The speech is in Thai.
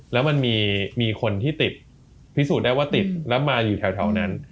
แล้วมันมีคนที่ติดพิสูจน์ได้ว่าติดแล้วมาอยู่แถวนั้น